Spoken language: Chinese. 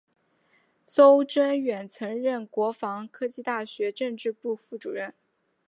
邹征远曾任国防科技大学政治部副主任。